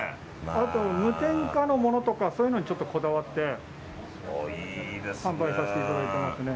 あと無添加のものとかそういうのにこだわって販売させていただいていますね。